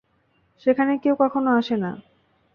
সেখানে কেউ কখনো আসে না।